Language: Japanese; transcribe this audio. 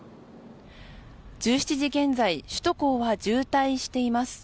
１７時現在首都高は渋滞しています。